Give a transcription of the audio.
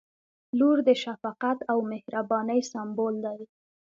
• لور د شفقت او مهربانۍ سمبول دی.